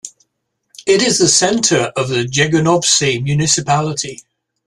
It is the center of the Jegunovce municipality.